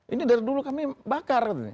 ini dari dulu kami bakar